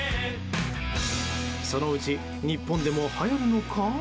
そのうち日本でもはやるのか？